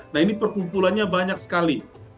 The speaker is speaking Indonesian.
nah ini perkumpulannya banyak sekali